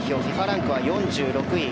ランクは４６位。